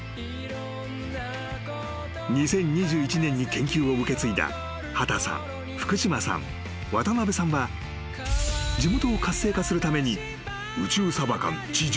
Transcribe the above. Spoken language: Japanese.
［２０２１年に研究を受け継いだ秦さん福嶋さん渡邉さんは地元を活性化するために］